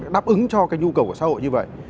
đáp ứng cho cái nhu cầu của xã hội như vậy